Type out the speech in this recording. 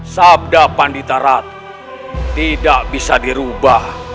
sabda pandita ratu tidak bisa dirubah